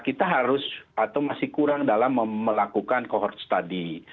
kita harus atau masih kurang dalam melakukan cohort study